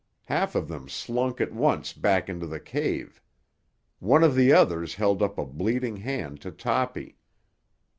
Half of them slunk at once back into the cave. One of the others held up a bleeding hand to Toppy.